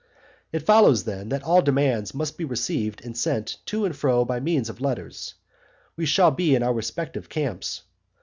It follows then, that all demands must be received and sent to and fro by means of letters. We then shall be in our respective camps.